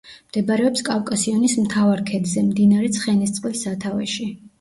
მდებარეობს კავკასიონის მთავარ ქედზე, მდინარე ცხენისწყლის სათავეში.